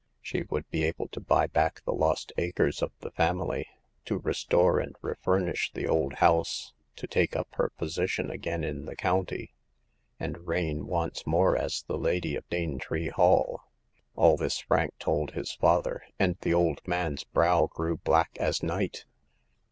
She would be able to buy back the lost acres of the family, to restore and refurnish the old house, to take up her position again in the county, and reign once more as the lady of Danetree Hall. All this Frank told his father, and the old man's brow grew black as night.